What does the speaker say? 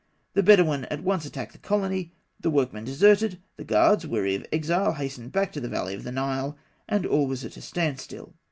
The Bedawîn at once attacked the colony; the workmen deserted; the guards, weary of exile, hastened back to the valley of the Nile, and all was at a standstill.